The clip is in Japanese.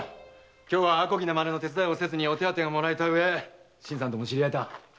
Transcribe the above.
今日は阿漕なまねの手伝いをせずにお手当てをもらえた上新さんとも知り合えた。